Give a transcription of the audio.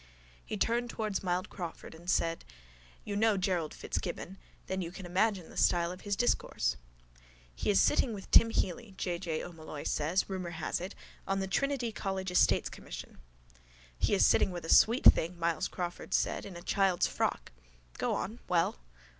He turned towards Myles Crawford and said: —You know Gerald Fitzgibbon. Then you can imagine the style of his discourse. —He is sitting with Tim Healy, J. J. O'Molloy said, rumour has it, on the Trinity college estates commission. —He is sitting with a sweet thing, Myles Crawford said, in a child's frock. Go on. Well?